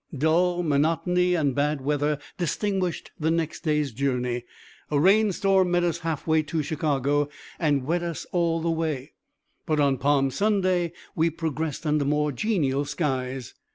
Dull monotony and bad weather distinguished the next day's journey; a rainstorm met us half way to Chicago, and wet us all the way. But on Palm Sunday, we progressed under more genial skies.